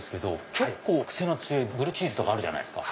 結構癖が強いブルーチーズとかあるじゃないですか。